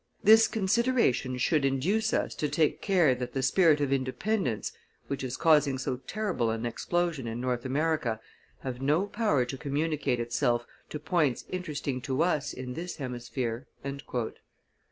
This consideration should induce us to take care that the spirit of independence, which is causing so terrible an explosion in North America, have no power to communicate itself to points interesting to us in this hemisphere."